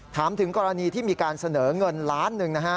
ถามถึงกรณีที่มีการเสนอเงินล้านหนึ่งนะฮะ